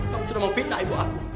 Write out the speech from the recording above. kamu sudah mempela ibu aku